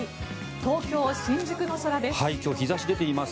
東京・新宿の空です。